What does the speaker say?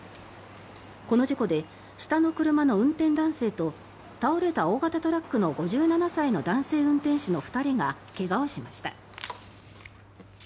この事故で下の車の運転男性と倒れた大型トラックの５７歳の男性運転手が怪我をしました。